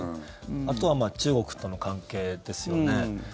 あとは中国との関係ですよね。